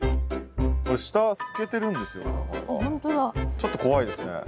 ちょっと怖いですね。